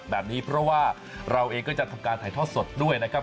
แบบนี้เพราะว่าเราเองก็จะทำการถ่ายทอดสดด้วยนะครับ